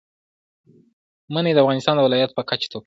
منی د افغانستان د ولایاتو په کچه توپیر لري.